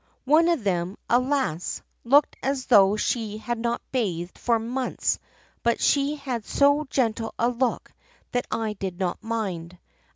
One of them, alas! looked as though she had not bathed for months but she had so gentle a look that I did not mind.